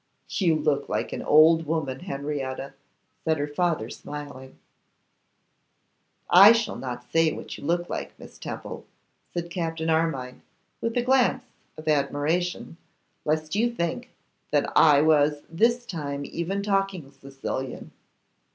'You look like an old woman, Henrietta,' said her father, smiling. 'I shall not say what you look like, Miss Temple,' said Captain Armine, with a glance of admiration, 'lest you should think that I was this time even talking Sicilian.